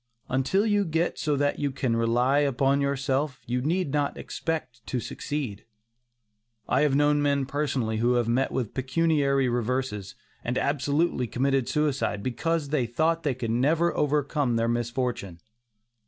Until you get so that you can rely upon yourself, you need not expect to succeed. I have known men personally who have met with pecuniary reverses, and absolutely committed suicide, because they thought they could never overcome their misfortune.